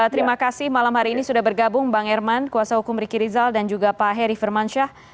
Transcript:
terima kasih malam hari ini sudah bergabung bang herman kuasa hukum riki rizal dan juga pak heri firmansyah